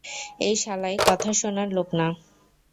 এই শালায় কথা শোনার লোক না।